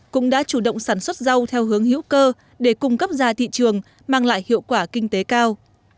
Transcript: cũng đã chủ động sản xuất rau theo hướng hữu cơ để cung cấp ra thị trường mang lại hiệu quả kinh tế cao